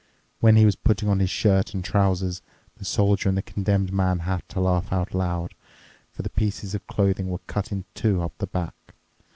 When he was putting on his shirt and trousers, the Soldier and the Condemned Man had to laugh out loud, for the pieces of clothing were cut in two up the back.